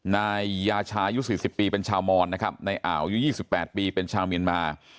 นายยาชายุ๔๐ปีเป็นชาวมอนนะครับในอ่าวอายุ๒๘ปีเป็นชาวเมียนมา